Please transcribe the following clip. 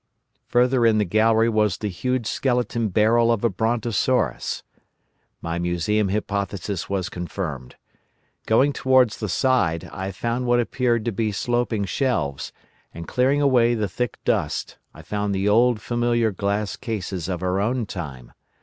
Further in the gallery was the huge skeleton barrel of a Brontosaurus. My museum hypothesis was confirmed. Going towards the side I found what appeared to be sloping shelves, and clearing away the thick dust, I found the old familiar glass cases of our own time.